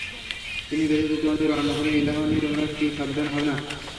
তিনি ব্যতীত তোমাদের অন্য কোন ইলাহ নেই, তোমরা কি সাবধান হবে না?